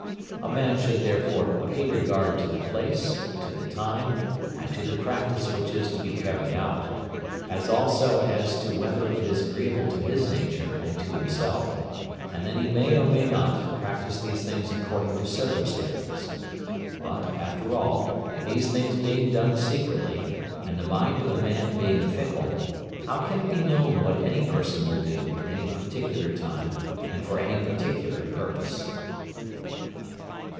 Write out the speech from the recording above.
A man should therefore pay regard to the place, to the time, and to the practice which is to be carried out, as also as to whether it is agreeable to his nature and to himself, and then he may or may not practise these things according to circumstances. But after all, these things being done secretly, and the mind of the man being fickle, how can it be known what any person will do at any particular time and for any particular purpose.